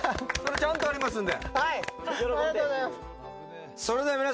ちゃんとありますんで。